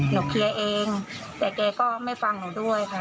เคลียร์เองแต่แกก็ไม่ฟังหนูด้วยค่ะ